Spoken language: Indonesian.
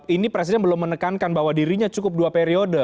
ini presiden belum menekankan bahwa dirinya cukup dua periode